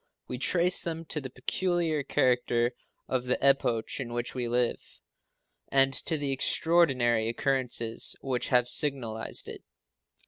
We trace them to the peculiar character of the epoch in which we live, and to the extraordinary occurrences which have signalized it.